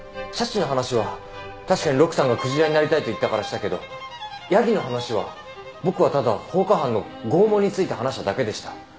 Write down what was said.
シャチの話は確かに陸さんが鯨になりたいと言ったからしたけどヤギの話は僕はただ放火犯の拷問について話しただけでした。